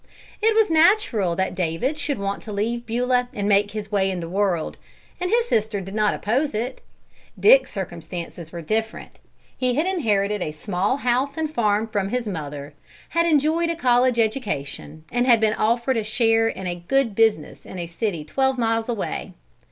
It was natural that David should want to leave Beulah and make his way in the world, and his sister did not oppose it. Dick's circumstances were different. He had inherited a small house and farm from his mother, had enjoyed a college education, and had been offered a share in a good business in a city twelve miles away.